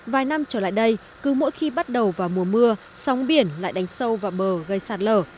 vài năm trở lại đây cứ mỗi khi bắt đầu vào mùa mưa sóng biển lại đánh sâu vào bờ gây sạt lở